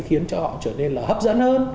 khiến cho họ trở nên là hấp dẫn hơn